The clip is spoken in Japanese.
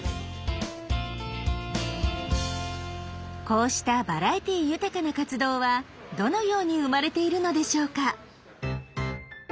こうしたバラエティー豊かな活動はどのように生まれているのでしょうか？